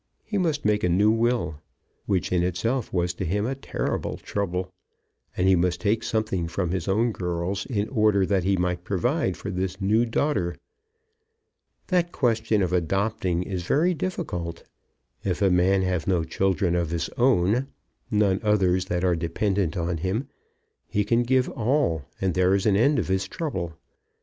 He must make a new will, which in itself was to him a terrible trouble; and he must take something from his own girls in order that he might provide for this new daughter. That question of adopting is very difficult. If a man have no children of his own, none others that are dependent on him, he can give all, and there is an end of his trouble.